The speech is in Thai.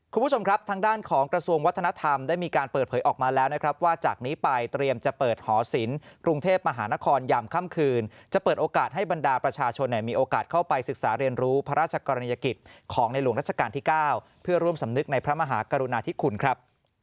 คุณผู้ชมครับทางด้านของกระทรวงวัฒนธรรมได้มีการเปิดเผยออกมาแล้วนะครับว่าจากนี้ไปเตรียมจะเปิดหอศิลป์กรุงเทพมหานครยามค่ำคืนจะเปิดโอกาสให้บรรดาประชาชนมีโอกาสเข้าไปศึกษาเรียนรู้พระราชกรณียกิจของในหลวงรัชกาลที่๙เพื่อร่วมสำนึกในพระมหากรุณาธิคุณครับ